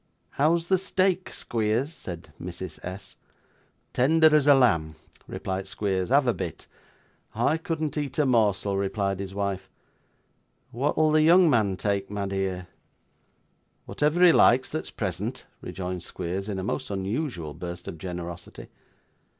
'How's the steak, Squeers?' said Mrs. S. 'Tender as a lamb,' replied Squeers. 'Have a bit.' 'I couldn't eat a morsel,' replied his wife. 'What'll the young man take, my dear?' 'Whatever he likes that's present,' rejoined Squeers, in a most unusual burst of generosity.